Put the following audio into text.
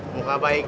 muka baik banget